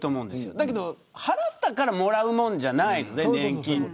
だけど、払ったからもらうものじゃないので年金って。